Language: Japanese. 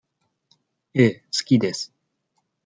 ええ、好きです。